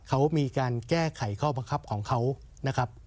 เขามีการแก้ไขข้อบังคับของเขานะครับ